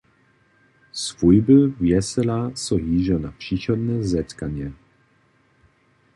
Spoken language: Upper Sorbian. Swójby wjesela so hižo na přichodne zetkanje.